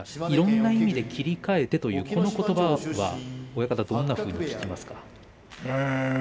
いろんな意味で切り替えてというのはどんなふうに聞きますか？